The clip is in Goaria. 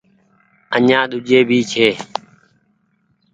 آڃآن ۮوجهي ڀي ڇي ۔